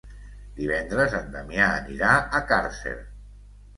Divendres en Damià anirà a Càrcer.